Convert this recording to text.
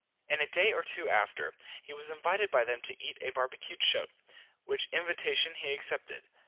In a day or two after, he was invited by them to eat a barbacued shoat, which invitation he accepted.